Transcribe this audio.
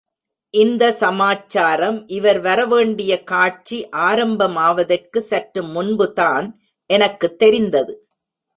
இந்த சமாச்சாரம் இவர் வரவேண்டிய காட்சி ஆரம்பமாவதற்குச் சற்று முன்புதான் எனக்குத் தெரிந்தது.